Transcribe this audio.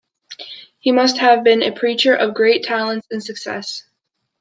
He must have been a preacher of great talents and success.